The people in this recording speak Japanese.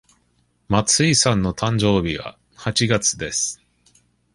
松井さんの誕生日は八月です。